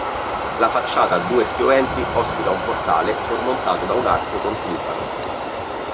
La facciata a due spioventi ospita un portale sormontato da un arco con timpano.